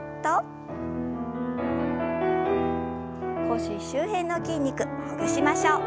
腰周辺の筋肉ほぐしましょう。